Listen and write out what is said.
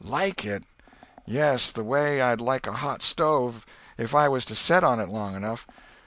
"Like it! Yes—the way I'd like a hot stove if I was to set on it long enough.